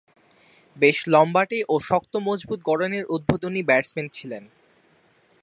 বেশ লম্বাটে ও শক্ত-মজবুত গড়নের উদ্বোধনী ব্যাটসম্যান ছিলেন।